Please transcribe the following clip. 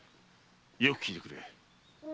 よく聞いてくれ。